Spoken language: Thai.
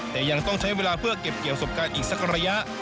แต่ยังต้องใช้เวลาเพื่อเก็บเกี่ยวประสบการณ์อีกสักระยะ